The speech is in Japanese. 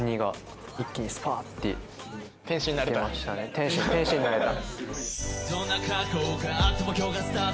天使になれた。